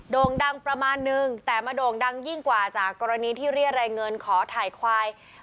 โด่งดังประมาณนึงแต่มาโด่งดังยิ่งกว่าจากกรณีที่เรียกรายเงินขอถ่ายควาย